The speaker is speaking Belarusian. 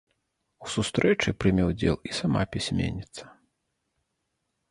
У сустрэчы прыме ўдзел і сама пісьменніца.